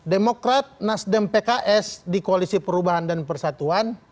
demokrat nasdem pks di koalisi perubahan dan persatuan